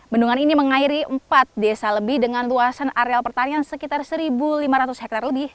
bendungan ini mengairi empat desa lebih dengan luasan areal pertanian sekitar satu lima ratus hektare lebih